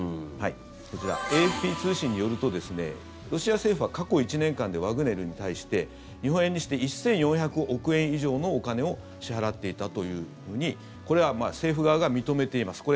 こちら、ＡＦＰ通信によるとロシア政府は過去１年間でワグネルに対して日本円にして１４００億円以上のお金を支払っていたというふうにこれは政府側が認めています。